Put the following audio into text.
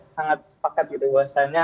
sangat sepakat gitu bahwasanya